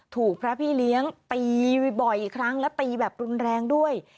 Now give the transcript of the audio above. ถูกพระพี่เลี้ยงตีบ่อยครั้งและตีแบบรุนแรงด้วย